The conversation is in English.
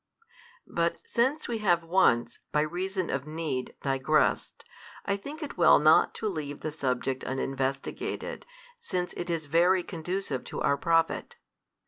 But since we have once, by reason of need, digressed, I think it well not to leave the subject uninvestigated, since it is very conducive to our profit.